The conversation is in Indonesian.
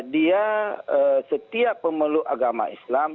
dia setiap pemeluk agama islam